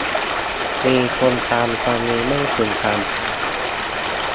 มีคนตามตอนนี้ไม่ถึงสามพัน